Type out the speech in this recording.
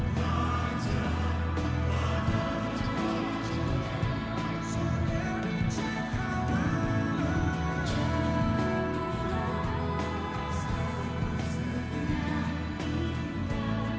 dan kepala cu empat a angkatan bersenjata singapura